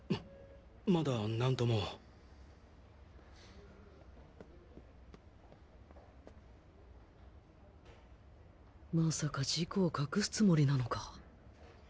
まだなんとも。まさか事故を隠すつもりなのか。